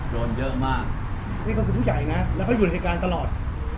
โดนเยอะมากนี่ก็คือผู้ใหญ่นะแล้วก็อยู่ในการตลอด